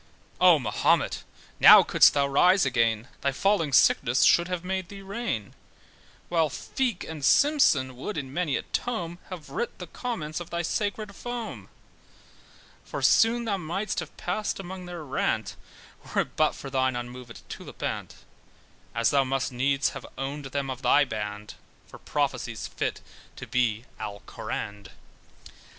Oh Mahomet! now couldst thou rise again, Thy falling sickness should have made thee reign, While Feake and Simpson would in many a tome, Have writ the comments of thy sacred foam: For soon thou mightst have passed among their rant Were't but for thine unmovèd tulipant; As thou must needs have owned them of thy band For prophecies fit to be Alcoraned.